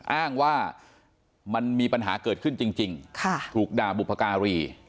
อ้างว่ามันมีปัญหาเกิดขึ้นจริงถูกด่าบุพการี